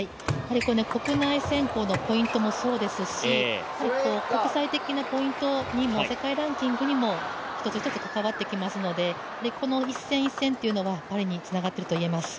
国内選考のポイントもそうですし国際的なポイントにも世界ランキングにも一つ一つ関わってきますのでこの一戦一戦というのはパリにつながっているといえます。